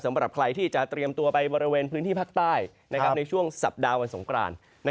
สำหรับใครที่จะเตรียมตัวไปบริเวณพื้นที่สำเหรอในวันสงกราน